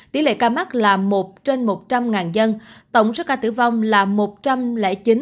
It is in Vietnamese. tỷ lệ ca mắc là một trên một trăm linh dân tổng số ca tử vong là một trăm linh chín ca